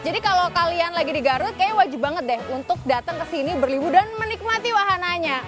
jadi kalau kalian lagi di garut kayaknya wajib banget deh untuk datang kesini berlibu dan menikmati wahananya